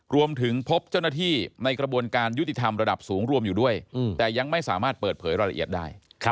รวมถึงพบเจ้าหน้าที่ในกระบวนการยุติธรรมระดับสูงรวมอยู่ด้วยแต่ยังไม่สามารถเปิดเผยรายละเอียดได้